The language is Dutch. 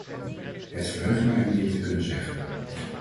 Het verheugt mij u dit te kunnen zeggen.